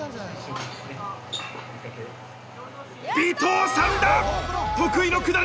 尾藤さんだ！